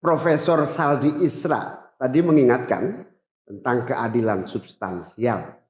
prof saldi isra tadi mengingatkan tentang keadilan substansial